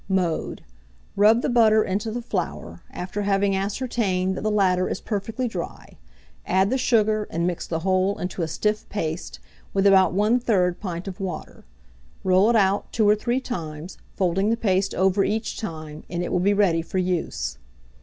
Mode. Rub the butter into the flour, after having ascertained that the latter is perfectly dry; add the sugar, and mix the whole into a stiff paste, with about 1/3 pint of water. Roll it out two or three times, folding the paste over each time, and it will be ready for use.